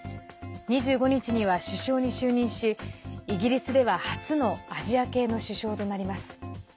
２５日には首相に就任しイギリスでは初のアジア系の首相となります。